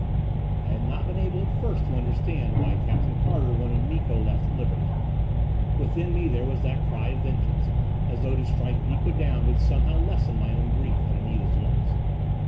_ I had not been able at first to understand why Captain Carter wanted Miko left at liberty. Within me there was that cry of vengeance, as though to strike Miko down would somehow lessen my own grief at Anita's loss.